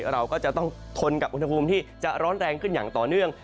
เราก็จะต้องทนกับอุณหภูมิที่จะร้อนแรงขึ้นอย่างต่อเนื่อง